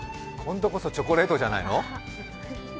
今度こそチョコレートじゃないの？